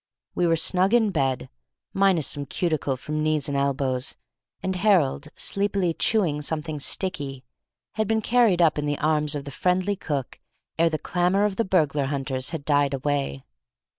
We were snug in bed minus some cuticle from knees and elbows and Harold, sleepily chewing something sticky, had been carried up in the arms of the friendly cook, ere the clamour of the burglar hunters had died away.